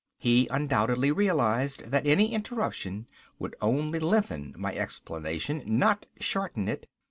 He undoubtedly realized that any interruption would only lengthen my explanation, not shorten it.